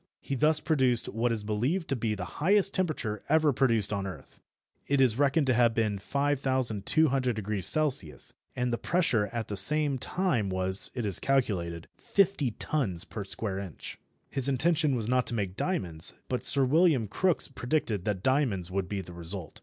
He thus produced what is believed to be the highest temperature ever produced on earth. It is reckoned to have been 5200° C., and the pressure at the same time was, it is calculated, 50 tons per square inch. His intention was not to make diamonds, but Sir William Crookes predicted that diamonds would be the result.